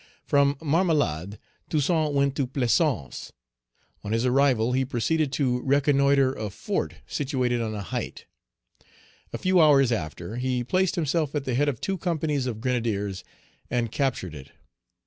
From Marmelade, Toussaint went to Plaisance. On his arrival, he proceeded to reconnoitre a fort situated on a height. A few hours after, he placed himself at the head of two companies of grenadiers and captured it.